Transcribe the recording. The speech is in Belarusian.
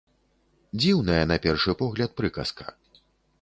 Дзіўная, на першы погляд, прыказка.